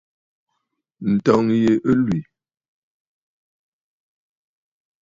Ǹtɔ̀ŋgə̂ yi ɨ lwì.